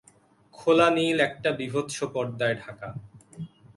খোলা নীল একটা বীভৎস পরদায় ঢাকা।